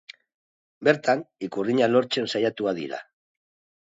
Bertan, ikurriña lortzen saiatu dira.